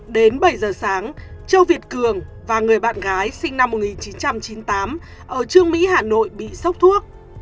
đến bảy giờ sáng châu việt cường và người bạn gái sinh năm một nghìn chín trăm chín mươi tám ở trương mỹ hà nội bị sốc thuốc